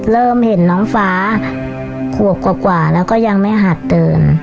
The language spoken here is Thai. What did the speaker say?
เริ่มเห็นน้องฟ้าขวบกว่าแล้วก็ยังไม่หัดเดิน